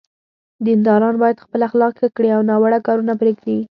دینداران باید خپل اخلاق ښه کړي او ناوړه کارونه پرېږدي.